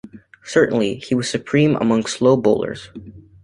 Certainly, he was supreme among slow bowlers.